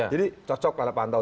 jadi cocok delapan tahun